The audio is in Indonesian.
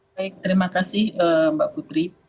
baik terima kasih mbak putri